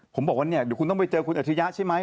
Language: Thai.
ผมบอกว่าเนี่ยเดี๋ยวคุณต้องไปเจอคุณอัจฉริยะใช่ไหม